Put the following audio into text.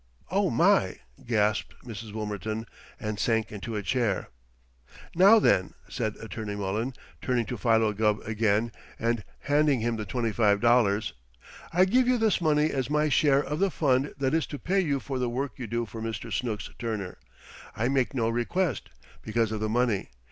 "Oh, my!" gasped Mrs. Wilmerton, and sank into a chair. "Now, then!" said Attorney Mullen, turning to Philo Gubb again, and handing him the twenty five dollars, "I give you this money as my share of the fund that is to pay you for the work you do for Snooks Turner. I make no request, because of the money.